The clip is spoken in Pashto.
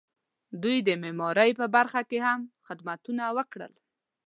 دوی د معمارۍ په برخه کې هم خدمتونه وکړل.